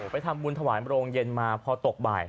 ไปทำบุญถวายโรงเย็นมาพอตกบ่าย